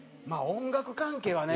音楽関係はね